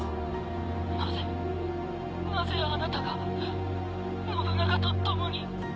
なぜなぜあなたが信長と共に。